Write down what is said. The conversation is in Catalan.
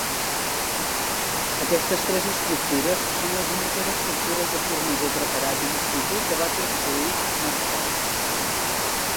Aquestes tres estructures són les úniques estructures de formigó preparat in situ que va construir Mercer.